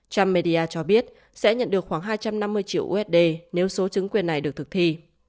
trump media cho biết sẽ nhận được khoảng hai trăm năm mươi triệu usd nếu số chứng quyền này được thực thi